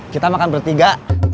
kita makan bertiga